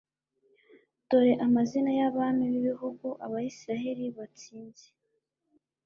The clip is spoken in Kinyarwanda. dore amazina y'abami b'ibihugu abayisraheli batsinze